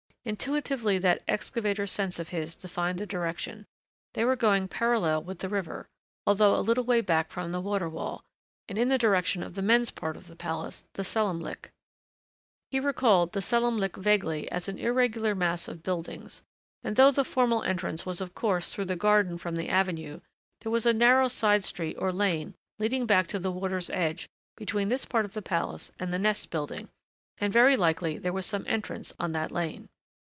Intuitively that excavator's sense of his defined the direction. They were going parallel with the river, although a little way back from the water wall, and in the direction of the men's part of the palace, the selamlik. He recalled the selamlik vaguely as an irregular mass of buildings, and though the formal entrance was of course through the garden from the avenue, there was a narrow side street or lane leading back to the water's edge between this part of the palace and the nest building, and very likely there was some entrance on that lane.